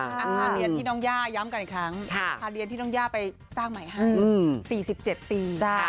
อาคารเรียนที่น้องย่าย้ำกันอีกครั้งพาเรียนที่น้องย่าไปสร้างใหม่ให้๔๗ปี